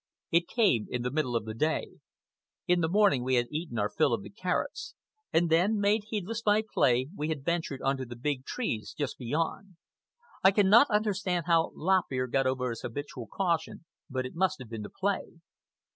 It came in the middle of the day. In the morning we had eaten our fill of the carrots, and then, made heedless by play, we had ventured on to the big trees just beyond. I cannot understand how Lop Ear got over his habitual caution, but it must have been the play.